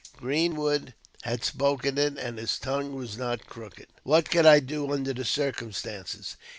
Greenwood had spoken it, " and his tongue was not crooked." What could I do under the circumstances